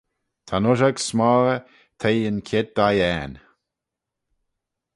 Ta'n ushag s'moghey theiy yn chied dhiane.